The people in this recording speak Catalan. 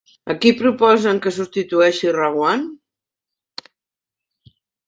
A qui proposen que substitueixi Reguant?